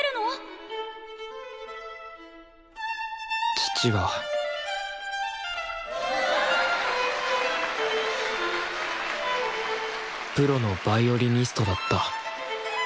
父はプロのヴァイオリニストだった。